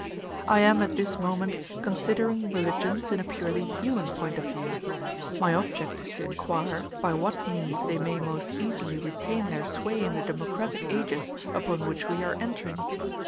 I am at this moment considering religions in a purely human point of view: my object is to inquire by what means they may most easily retain their sway in the democratic ages upon which we are entering.